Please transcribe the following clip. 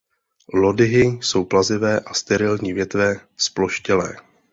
Lodyhy jsou plazivé a sterilní větve zploštělé.